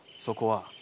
そこは。